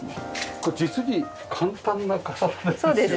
これ実に簡単な傘立てですよね。